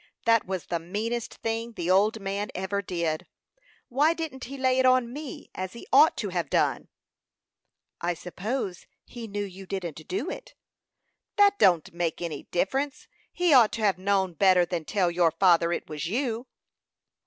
That was the meanest thing the old man ever did. Why didn't he lay it to me, as he ought to have done?" "I suppose he knew you didn't do it." "That don't make any difference. He ought to have known better than tell your father it was you."